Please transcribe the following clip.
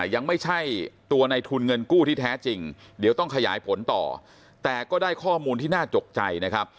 ยังไม่ใช่ตัวในทุนเงินกู้ที่แท้จริงเดี๋ยวต้องขยายผลต่อแต่ก็ได้ข้อมูลที่น่าจกใจนะครับ